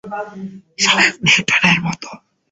স্বয়ং নিউটনের মতো।